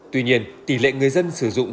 tuy nhiên tỷ lệ người dân sử dụng